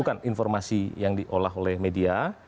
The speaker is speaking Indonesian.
bukan informasi yang diolah oleh media